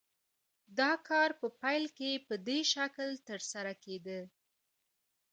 دا کار په پیل کې په دې شکل ترسره کېده